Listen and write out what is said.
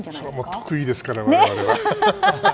得意ですから、我々。